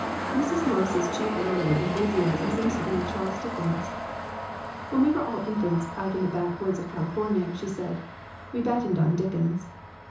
Mrs. Norris's chief literary enthusiasm seems to be Charles Dickens. "When we were all in fants out in the backwoods of California," she said, "we battened on Dickens.